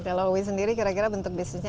kalau louis sendiri kira kira bentuk bisnisnya